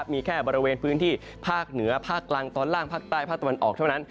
มีแค่บริเวณพื้นที่ภาคเหนือภาคกลางตอนล่างภาคใต้ภาคตะวันออกเท่านั้น